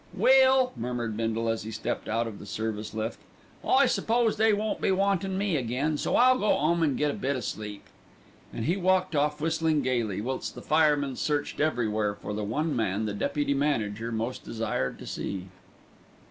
"Well," murmured Bindle, as he stepped out of the service lift, "I s'pose they won't be wantin' me again, so I'll go 'ome an' get a bit o' sleep." And he walked off whistling gaily, whilst the fireman searched everywhere for the one man the deputy manager most desired to see.